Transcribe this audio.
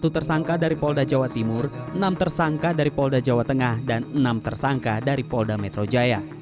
satu tersangka dari polda jawa timur enam tersangka dari polda jawa tengah dan enam tersangka dari polda metro jaya